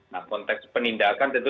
nah konteks penindakan tentu